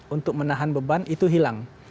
untuk menahan beban itu hilang